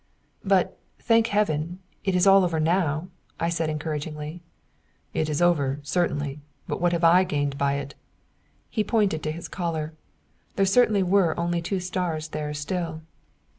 "But, thank Heaven, it is all over now!" said I encouragingly. "It is over, certainly. But what have I gained by it?" He pointed to his collar. There certainly were only two stars there still.